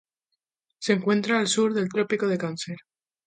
Se encuentra al sur del Trópico de Cáncer.